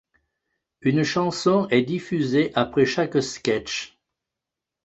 Une chanson est diffusée après chaque sketch.